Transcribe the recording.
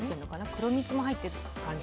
黒蜜も入ってる感じ。